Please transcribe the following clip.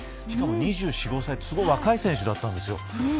しかも２４２５歳ってすごく若い選手だったんです。